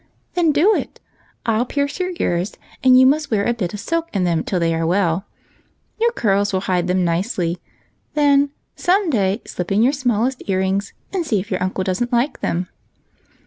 "Then do it. I'll pierce your ears, and you must wear a bit of silk in them till they are well ; your curls will hide them nicely ; then, some day, slip in your smallest ear rings, and see if your uncle don't like them."